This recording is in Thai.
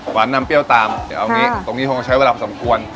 หวานน้ำเปรี้ยวตามเดี๋ยวเอาอย่างงี้ตรงนี้คงใช้เวลาประสำควร